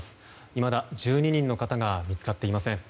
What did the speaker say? いまだ１２人の方が見つかっていません。